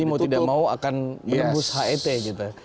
jadi mau tidak mau akan berebus het gitu